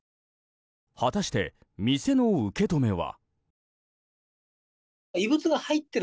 果たして、店の受け止めは。